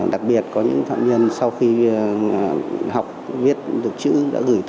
đặc biệt có những phạm nhân sau khi học viết được chữ đã gửi thư về gia đình